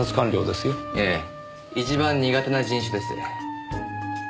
ええ一番苦手な人種です。